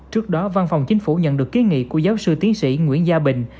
trước đó văn phòng chính phủ nhận được ký nghị của giáo sư tiến sĩ nguyễn gia bình